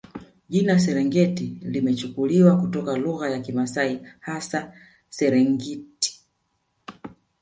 Jina Serengeti limechukuliwa kutoka lugha ya Kimasai hasa Serengit